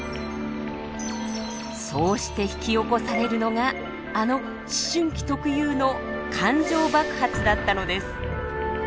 そうして引き起こされるのがあの思春期特有の感情爆発だったのです。